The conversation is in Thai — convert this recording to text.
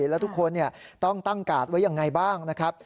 แล้วทุกคนต้องตั้งกาดไว้ยังไงบ้างนะครับ